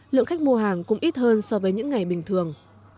lượng khách mua hàng cũng ít hơn so với những ngày bình thường